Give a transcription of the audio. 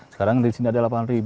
sekarang di sini ada delapan ribu